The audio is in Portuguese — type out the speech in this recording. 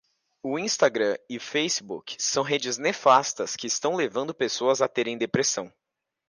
O Instagram e Facebook são redes nefastas que estão levando pessoas a terem depressão